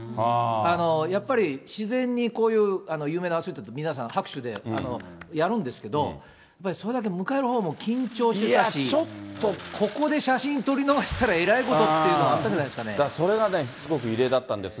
やっぱり自然にこういう有名なアスリートって皆さん、拍手ってやるんですけど、やっぱりそれだけちょっと、ここで写真撮り逃したらえらいことっていうのはあったんじゃないそれがね、すごく異例だったんですが。